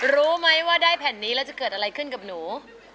รู้ไหมว่าได้แผ่นนี้แล้วจะเกิดอะไรขึ้นกับหนู